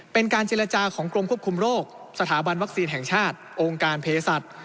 เป็นการเจรจาของกรมควบคุมโรคสถาบันวัคซีนแห่งชาติองค์การเพศัตริย์